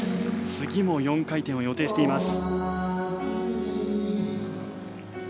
次も４回転を予定しています。